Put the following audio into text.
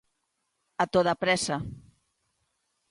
A toda présa.